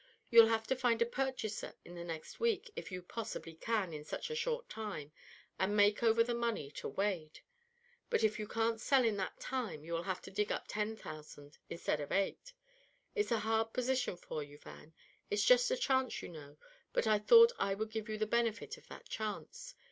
You'll have to find a purchaser in the next week if you possibly can in such a short time, and make over the money to Wade. But if you can't sell in that time you will have to dig up ten thousand instead of eight. It's a hard position for you, Van; it's just a chance, you know, but I thought I would give you the benefit of that chance.